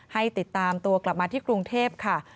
ให้ติดตามตัวกลับมาที่กรุงเทพค่ะ